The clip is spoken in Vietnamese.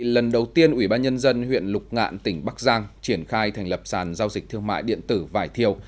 lần đầu tiên ủy ban nhân dân huyện lục ngạn tỉnh bắc giang triển khai thành lập sàn giao dịch thương mại điện tử vải thiều